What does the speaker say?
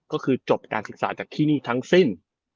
ก็คือจบการศึกษาจากที่นี่ทั้งสิ้น